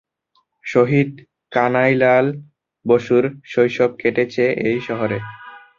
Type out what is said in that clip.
শহিদ কানাইলাল বসুর শৈশব কেটেছে এই শহরে।